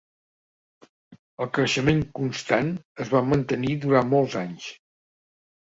El creixement constant es va mantenir durant molts anys.